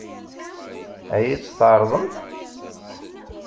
Ad iyi-tt-tɛeṛḍemt?